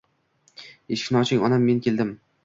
“eshikni oching onam men keldim”